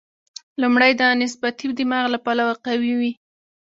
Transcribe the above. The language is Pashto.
لومړی د نسبتي دماغ له پلوه قوي وي.